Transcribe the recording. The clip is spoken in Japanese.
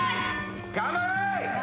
頑張れ。